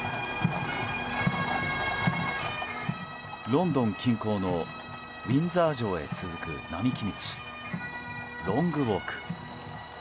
ロンドン近郊のウィンザー城へ続く並木道ロング・ウォーク。